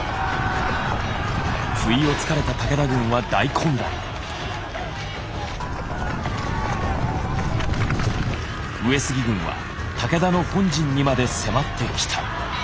不意をつかれた上杉軍は武田の本陣にまで迫ってきた。